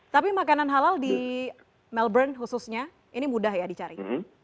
tapi makanan halal di melbourne khususnya ini mudah ya dicari